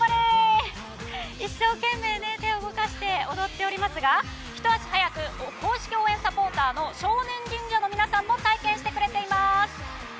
一生懸命、手を動かして踊っておりますがひと足早く公式応援サポーターの少年忍者の皆さんも体験してくれています。